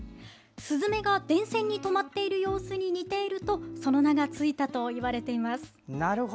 すずめが電線に止まっている様子に似ているとその名がついたといわれています。